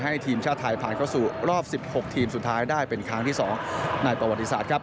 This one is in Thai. ให้ทีมชาติไทยผ่านเข้าสู่รอบ๑๖ทีมสุดท้ายได้เป็นครั้งที่๒ในประวัติศาสตร์ครับ